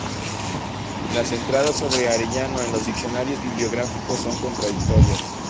Las entradas sobre Arellano en los diccionarios bibliográficos son contradictorias.